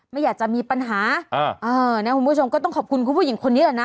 ไม่อยากจะมีปัญหาอ่าเออนะคุณผู้ชมก็ต้องขอบคุณคุณผู้หญิงคนนี้แหละนะ